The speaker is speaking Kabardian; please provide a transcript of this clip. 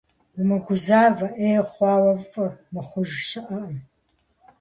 Умыгузавэ, ӏей хъуауэ фӏы мыхъуж щыӏэкъым.